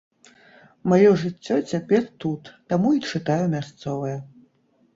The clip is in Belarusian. Маё жыццё цяпер тут, таму і чытаю мясцовыя.